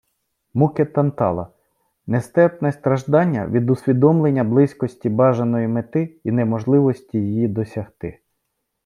Муки Тантала — нестерпне страждання від усвідомлення близькості бажаної мети і неможливості її досягти